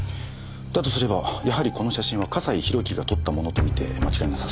だとすればやはりこの写真は笠井宏樹が撮ったものと見て間違いなさそうですね。